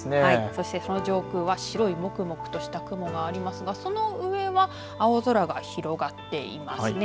そして上空には、もくもくとした白い雲がありますがその上は青空が広がってますね。